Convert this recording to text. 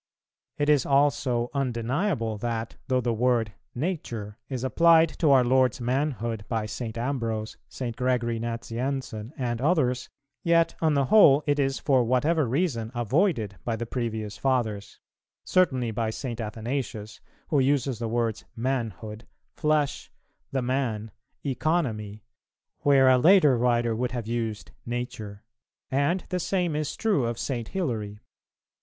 It is also undeniable that, though the word "nature" is applied to our Lord's manhood by St. Ambrose, St. Gregory Nazianzen and others, yet on the whole it is for whatever reason avoided by the previous Fathers; certainly by St. Athanasius, who uses the words "manhood," "flesh," "the man," "economy," where a later writer would have used "nature:" and the same is true of St. Hilary.